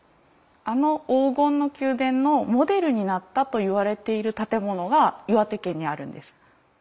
あの黄金の宮殿のモデルになったと言われている建物が岩手県にあるんです。